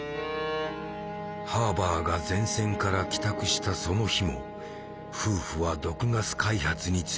ハーバーが前線から帰宅したその日も夫婦は「毒ガス開発」について言い争った。